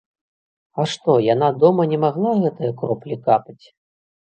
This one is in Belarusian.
А што, яна дома не магла гэтыя кроплі капаць?